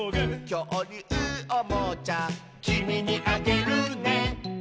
「きょうりゅうおもちゃ」「きみにあげるね」